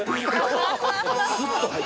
スッと入った。